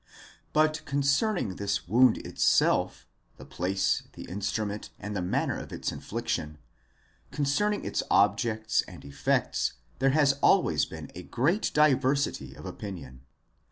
But concerning this wound itself, the place, the instrument, and the manner of 'its infliction—concerning its object and effects, there has always been a great diversity of opinion.